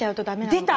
出た！